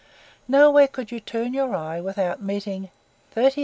Nowhere could you turn your eye without meeting "30,000 oz.